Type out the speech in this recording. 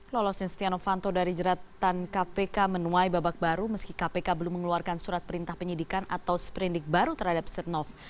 lolosnya setia novanto dari jeratan kpk menuai babak baru meski kpk belum mengeluarkan surat perintah penyidikan atau seperindik baru terhadap setnov